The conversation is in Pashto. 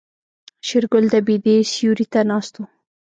شېرګل د بيدې سيوري ته ناست و.